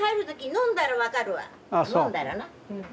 飲んだらなうん。